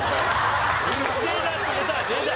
「うるせぇな」って事はねえだろ！